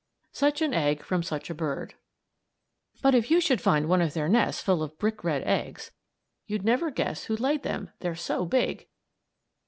SUCH AN EGG FROM SUCH A BIRD But if you should find one of their nests full of brick red eggs you'd never guess who laid them, they're so big!